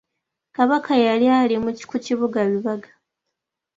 Kabaka yali ali ku kibuga Rubaga.